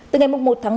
từ ngày một một ba